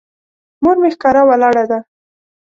مور مې ښکاره ولاړه ده.